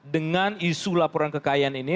dengan isu laporan kekayaan ini